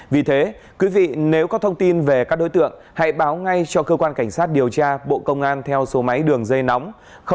vì thế quý vị nếu có thông tin về các đối tượng hãy báo ngay cho cơ quan cảnh sát điều tra bộ công an theo số máy đường dây nóng sáu mươi chín hai trăm ba mươi bốn năm nghìn tám trăm sáu mươi